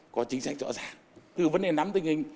có chính sách rõ ràng từ vấn đề nắm tình hình